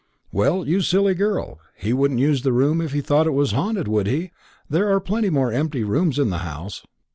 "Well, you silly girl, he wouldn't use the room if he thought it was haunted, would he? There are plenty more empty rooms in the house."